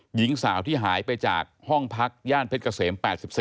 หญิงสาวที่หายไปจากห้องพักย่านเพชรเกษม๘๔